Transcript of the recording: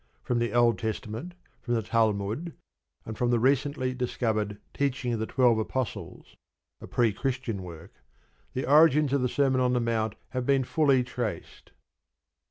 From the Old Testament, from the Talmud, and from the recently discovered Teaching of the Twelve Apostles (a pre Christian work) the origins of the Sermon on the Mount have been fully traced.